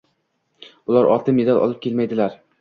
Bular oltin medal olib kelmaydilar